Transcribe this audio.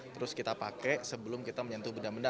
terus kita pakai sebelum kita menyentuh benda benda